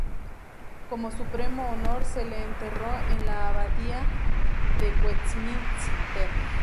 Como supremo honor, se le enterró en la abadía de Westminster.